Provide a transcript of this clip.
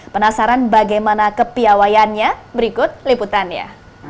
penasaran bagaimana kepiawayannya berikut liputannya